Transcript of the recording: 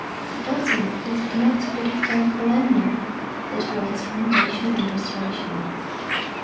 The building is a Connecticut Historical Landmark that awaits renovation and restoration.